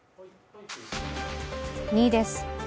２位です。